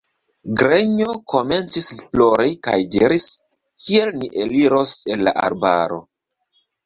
Grenjo komencis plori kaj diris: Kiel ni eliros el la arbaro!